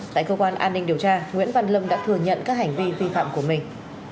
tại cơ quan an ninh điều tra nguyễn văn lâm đã thừa nhận các hành vi vi phạm của mình